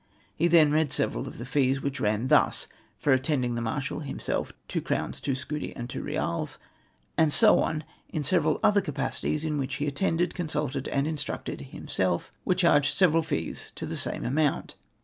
He then read several of the fees, which ran thus :— for attending the Marshal (himself) 2 crowns, 2 scudi, and 2 reals ; and so on, in several other capacities in which he attended, con sulted, and instructed himself, were charged several fees to the same amount.